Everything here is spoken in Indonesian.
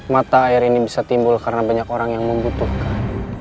mata air ini bisa timbul karena banyak orang yang membutuhkan